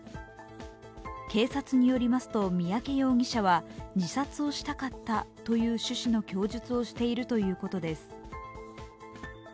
警察によりますと、三宅容疑者は自殺をしたかったという趣旨の供述をしているということです。